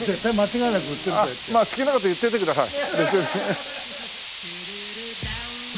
まあ好きな事言っててください。